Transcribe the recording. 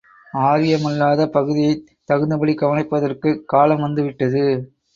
ஆரியமல்லாத பகுதியைத் தகுந்தபடி கவனிப்பதற்குக் காலம் வந்து விட்டது